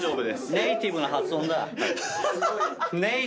ネイティブな発音だと？